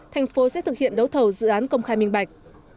thành phố sẽ thực hiện đấu thầu dự án công khai minh bạch